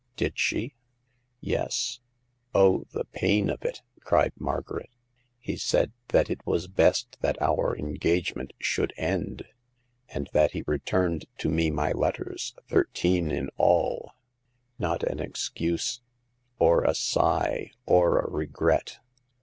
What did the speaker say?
" Did she ?" "Yes; oh, the pain of it!" cried Margaret. " He said that it was best that our engagement should end, and that he returned to me my letters, The Sixth Customer. 165 thirteen in all. Not an excuse, or a sigh, or a regret.